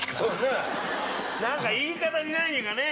何か言い方に何かね。